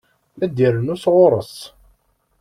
La d-irennu sɣur-s.